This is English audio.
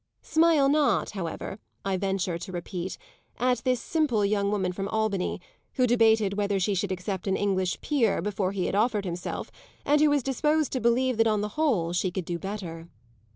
Smile not, however, I venture to repeat, at this simple young woman from Albany who debated whether she should accept an English peer before he had offered himself and who was disposed to believe that on the whole she could do better.